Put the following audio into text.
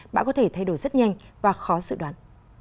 bão có thể thay đổi rất nhanh và khó dự đoán